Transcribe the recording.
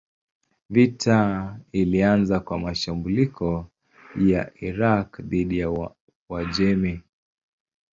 Vita ilianza kwa mashambulio ya Irak dhidi ya Uajemi.